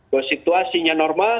kalau situasinya normal